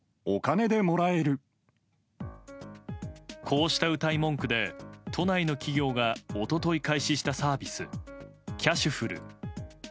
こうしたうたい文句で都内の企業が一昨日、開始したサービスキャシュふる。